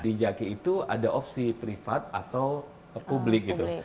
di jaki itu ada opsi privat atau publik gitu